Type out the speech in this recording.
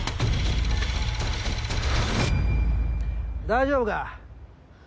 大丈夫か？